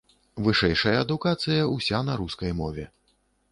Вышэйшая адукацыя ўся на рускай мове.